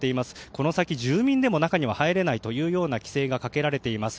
この先、住民でも中には入れないという規制がかけられています。